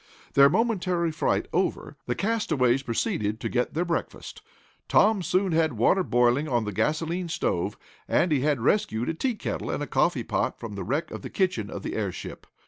Their momentary fright over, the castaways proceeded to get their breakfast. Tom soon had water boiling on the gasolene stove, for he had rescued a tea kettle and a coffee pot from the wreck of the kitchen of the airship.